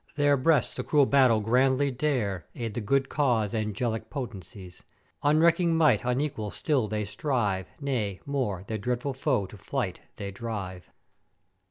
Their breasts the cruel battle grandly dare, aid the good cause angelic Potencies; unrecking might unequal still they strive, nay, more, their dreadful foe to flight they drive!